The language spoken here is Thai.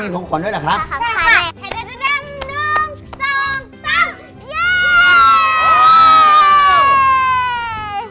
อ๋อมีของขวัญด้วยเหรอครับขอขอบคุณค่ะให้ได้ดันหนึ่งสองสามเย้